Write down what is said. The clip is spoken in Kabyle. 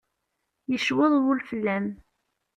Yecweḍ wul fell-am.